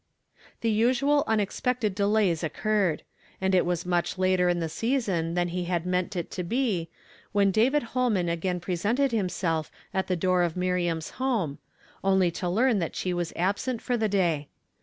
The usual unexpected delays occurred ; and it was much later in the season than he had meant it to be, when David Holman again presented himself at the door of Miriam's home, only to learn that she was absent for the day.